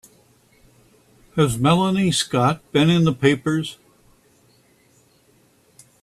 Has Melanie Scott been in the papers?